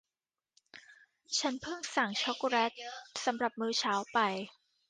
ฉันพึ่งสั่งช็อคโกแลตสำหรับมื้อเช้าไป